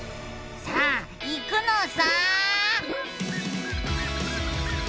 さあいくのさ！